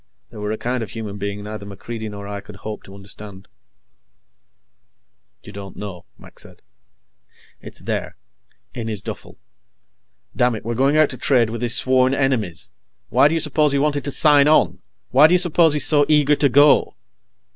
They were a kind of human being neither MacReidie nor I could hope to understand. "You don't know," Mac said. "It's there. In his duffel. Damn it, we're going out to trade with his sworn enemies! Why do you suppose he wanted to sign on? Why do you suppose he's so eager to go!"